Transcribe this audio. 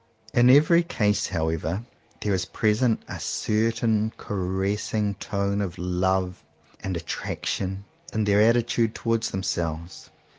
In every case however there is present a certain caressing tone of love and at traction in their attitude towards them selves.